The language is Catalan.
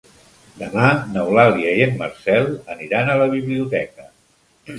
Demà n'Eulàlia i en Marcel aniran a la biblioteca.